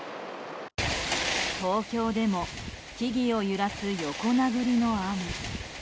東京でも木々を揺らす横殴りの雨。